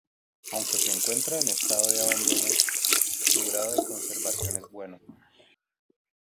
Aunque se encuentra en estado de abandono, su grado de conservación es bueno.